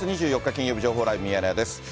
金曜日、情報ライブミヤネ屋です。